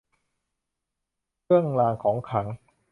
เครื่องรางของขลัง